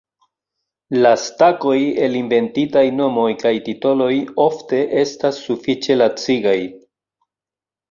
La stakoj el inventitaj nomoj kaj titoloj ofte estas sufiĉe lacigaj.